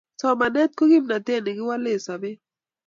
somanet ko kimnatet nekiwale sapet